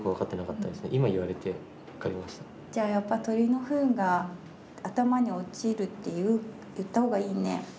じゃあやっぱ鳥のふんが頭に落ちるって言った方がいいね。